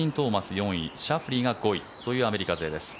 ４位シャフリーが５位というアメリカ勢です。